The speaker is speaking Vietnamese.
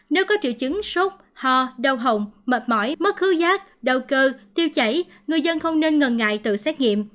nếu có triệu chứng sốt ho đau hỏng mệt mỏi mất hư giác đau cơ tiêu chảy người dân không nên ngần ngại tự xét nghiệm